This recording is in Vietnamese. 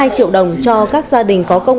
hai triệu đồng cho các gia đình có công